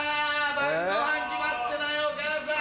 ・晩ごはん決まってないお母さん！